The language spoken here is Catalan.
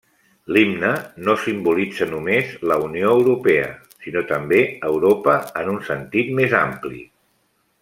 L'himne no simbolitza només la Unió Europea, sinó també Europa en un sentit més ampli.